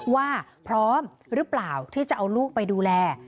ว่าพร้อมหรือเปล่าที่จะเอาลูกไปดูแล